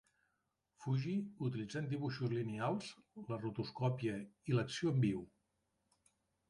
Fuji, utilitzant dibuixos lineals, la rotoscòpia i l'acció en viu.